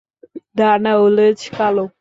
ডানা ও লেজ কালো।